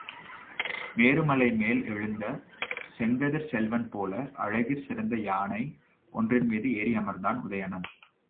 மேருமலை மேல் எழுந்த செங்கதிர்ச் செல்வன் போல அழகிற் சிறந்த யானை ஒன்றின்மீது ஏறி அமர்ந்தான் உதயணன்.